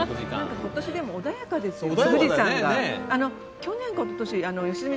今年、穏やかですよね